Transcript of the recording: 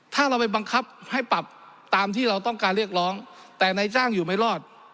ถ้าเราไปบังคับให้ปรับตามที่เราต้องการเรียกร้องแต่นายจ้างอยู่ไม่รอด